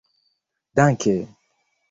danke